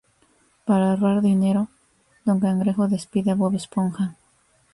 Para ahorrar dinero, Don Cangrejo despide a Bob Esponja.